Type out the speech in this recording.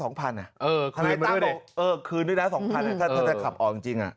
ทนายตั้มบอกเออคืนด้วยนะ๒๐๐ถ้าจะขับออกจริง